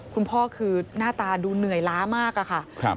คุณพ่อคือหน้าตาดูเหนื่อยล้ามากอะค่ะ